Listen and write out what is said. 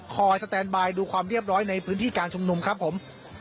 คอยสแตนบายดูความเรียบร้อยในพื้นที่การชมนุม